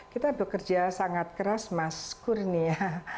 kita bekerja sangat keras mas kurnia